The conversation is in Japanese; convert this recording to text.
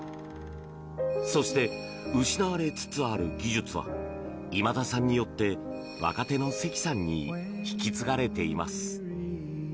そして失われつつある技術は今田さんによって若手の関さんに引き継がれています。